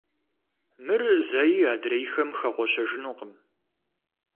Мыр зэи адрейхэм хэгъуэщэжынукъым.